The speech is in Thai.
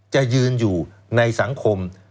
จะยืนอยู่ในสังคม